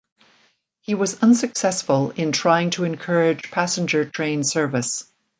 He was unsuccessful in trying to encourage passenger train service.